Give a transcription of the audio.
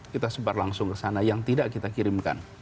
kita sebar langsung ke sana yang tidak kita kirimkan